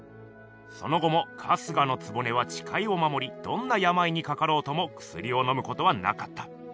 その後も春日局はちかいをまもりどんなやまいにかかろうともくすりをのむことはなかった。